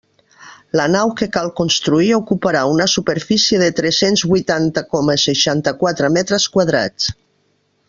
La nau que cal construir ocuparà una superfície de tres-cents huitanta coma seixanta-quatre metres quadrats.